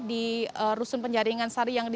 di rusun penjaringan sehari ini